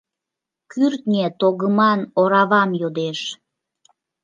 Кӱртньӧ тогыман оравам йодеш.